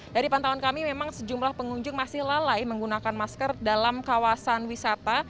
dari pantauan kami memang sejumlah pengunjung masih lalai menggunakan masker dalam kawasan wisata